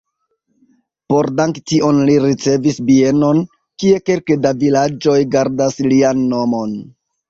Por danki tion li ricevis bienon, kie kelke da vilaĝoj gardas lian nomon.